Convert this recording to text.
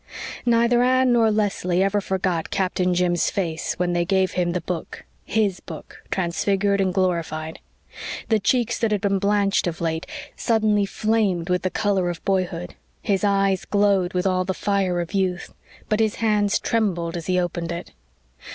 Neither Anne nor Leslie ever forgot Captain Jim's face when they gave him the book HIS book, transfigured and glorified. The cheeks that had been blanched of late suddenly flamed with the color of boyhood; his eyes glowed with all the fire of youth; but his hands trembled as he opened it.